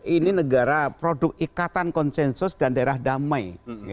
ini negara produk ikatan konsensus dan daerah damai